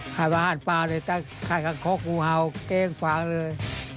ขายอาหารปลาเลยถ้าขายกังคกงูเห่าเก้งฟังเลย